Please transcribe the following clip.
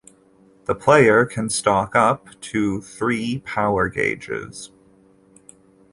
The player can stock up to three Power Gauges.